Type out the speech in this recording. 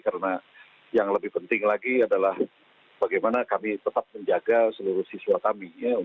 karena yang lebih penting lagi adalah bagaimana kami tetap menjaga seluruh siswa kami